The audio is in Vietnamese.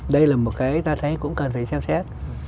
đây là một cái ta thấy cũng cần phải xem xét